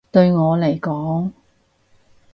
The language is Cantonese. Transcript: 對我嚟講